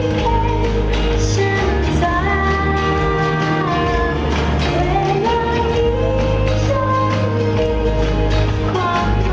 มันใส่เครื่องเบากล่าวไป